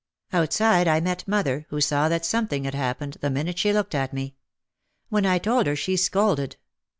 Outside I met mother, who saw that something had happened, the minute she looked at me. When I told her she scolded.